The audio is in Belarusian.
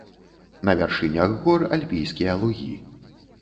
На вяршынях гор альпійскія лугі.